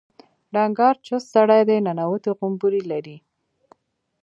ډنګر چوست سړی دی ننوتي غومبري لري.